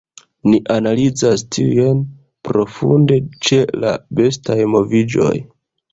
Ni analizas tiujn profunde ĉe la bestaj moviĝoj.